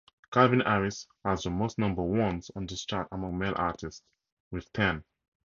Calvin Harris has the most number-ones on this chart among male artists, with ten.